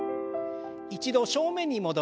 一度正面に戻して。